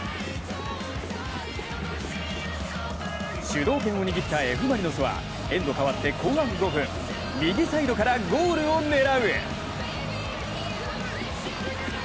主導権を握ったＦ・マリノスはエンド変わって後半５分、右サイドからゴールを狙う。